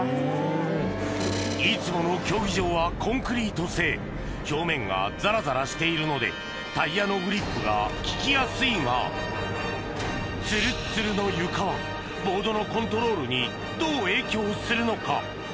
いつもの競技場はコンクリート製表面がザラザラしているのでタイヤのグリップが効きやすいがツルッツルの床はボードのコントロールにどう影響するのか？